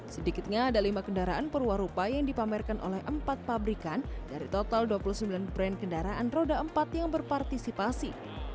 sedikitnya ada lima kendaraan perwarupa yang dipamerkan oleh empat pabrikan dari total dua puluh sembilan brand kendaraan roda empat yang berpartisipasi